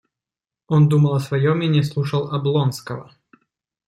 Он думал о своем и не слушал Облонского.